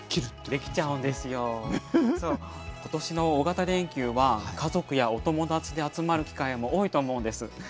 今年の大型連休は家族やお友達で集まる機会も多いと思うんです。